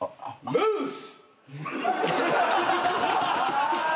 ムース！